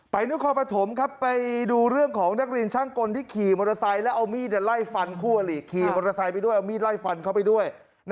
ไปนุกขอประถมครับไปดูเรื่องของนักเรียนช่างกนที่ขี่มอเตอร์ไซน์และเอามีดไล่ฟันเข้าไปด้วย